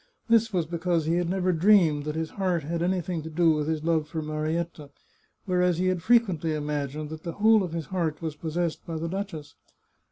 This was because he had never dreamed that his heart had anything to do with his love for Marietta, whereas he had frequently imagined that the whole of his heart was possessed by the duchess.